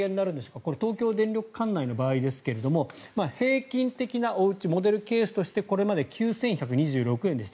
この東京電力管内の場合ですが平均的なおうちモデルケースとしてこれまで９１２６円でした。